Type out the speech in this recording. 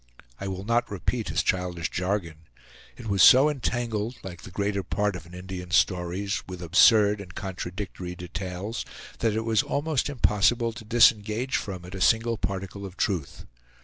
I will not repeat his childish jargon. It was so entangled, like the greater part of an Indian's stories, with absurd and contradictory details, that it was almost impossible to disengage from it a single particle of truth.